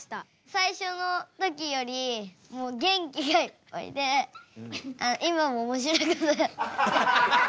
最初の時より元気がいっぱいで今もおもしろい。